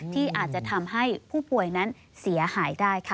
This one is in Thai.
ที่อาจจะทำให้ผู้ป่วยนั้นเสียหายได้ค่ะ